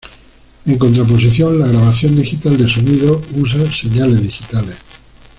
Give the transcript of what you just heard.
En contraposición la grabación digital de sonido usa señales digitales.